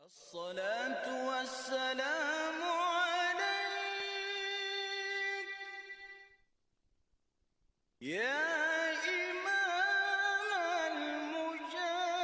assalatu wassalamu alaikum